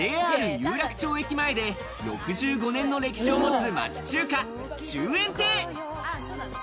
有楽町駅前で６５年の歴史を町中華、中園亭。